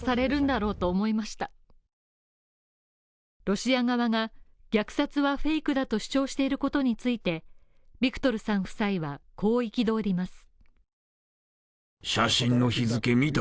ロシア側が虐殺はフェイクだと主張してょくことについてビクトルさん夫妻は、こう憤ります。